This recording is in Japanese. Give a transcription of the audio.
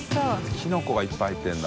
キノコがいっぱい入ってるんだ。